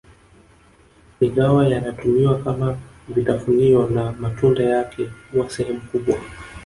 Ingawa yanatumiwa kama vitafunio na matunda yake huwa sehemu kubwa